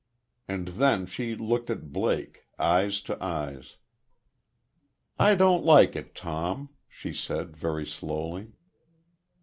And then she looked at Blake, eyes to eyes. "I don't like it, Tom," she said, very slowly.